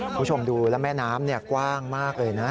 คุณผู้ชมดูแล้วแม่น้ำกว้างมากเลยนะ